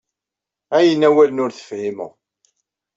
Ɛeyyen awalen ur tefhimeḍ.